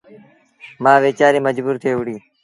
مآ ويچآريٚ مجبور ٿئي وهُڙيٚ